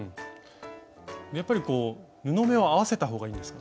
やっぱり布目を合わせた方がいいですか？